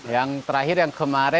yang terakhir yang kemarin